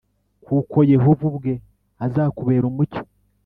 kuko Yehova ubwe azakubera umucyo